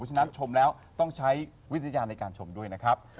ฉะนั้นชมแล้วต้องใช้วิญญาณในการชมด้วยนะครับ